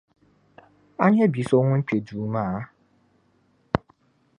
A nya bi so ŋun kpe duu maa?